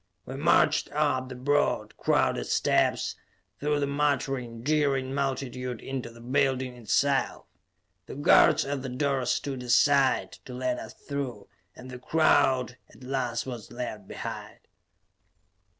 We marched up the broad, crowded steps, through the muttering, jeering multitude into the building itself. The guards at the doors stood aside to let us through and the crowd at last was left behind.